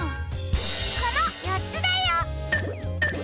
このよっつだよ！